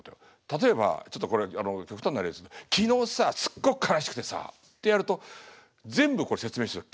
例えばちょっと極端な例ですけど「昨日さすっごく悲しくてさ」ってやると全部これ説明する。